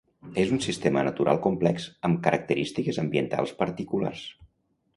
És un sistema natural complex, amb característiques ambientals particulars.